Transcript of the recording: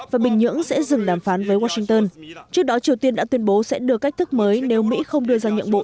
và bình nhưỡng sẽ dừng đàm phán với washington trước đó triều tiên đã tuyên bố sẽ đưa cách thức mới nếu mỹ không đưa ra nhận bộ